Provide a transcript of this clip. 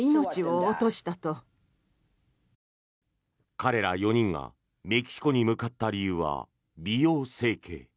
彼ら４人がメキシコに向かった理由は美容整形。